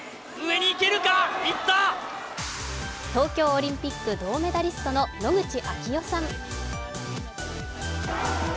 東京オリンピック銅メダリストの野口啓代さん。